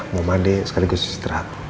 mau mandi sekali gue istirahat